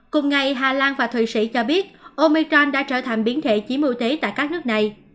cùng ngày hà lan và thụy sĩ cho biết omicron đã trở thành biến thể chí mưu tế tại các nước này